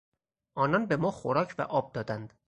آنان به ما خوراک و آب دادند.